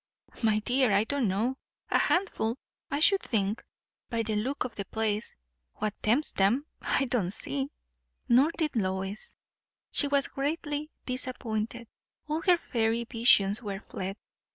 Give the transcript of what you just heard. "My dear, I don't know. A handful, I should think, by the look of the place. What tempts them, I don't see." Nor did Lois. She was greatly disappointed. All her fairy visions were fled.